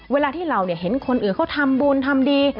เวลาที่เราเห็นคนอื่นเขาทำบุญทำดี